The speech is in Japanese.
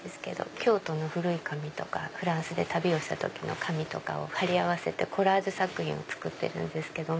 京都の古い紙とかフランスで旅をした時の紙を貼り合わせてコラージュ作品を作ってるんですけども。